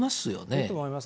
いると思います。